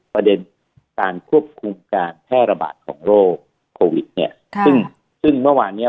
ประเด็นการควบคุมการแพร่ระบาดของโรคโควิดเนี่ยค่ะซึ่งซึ่งเมื่อวานเนี้ย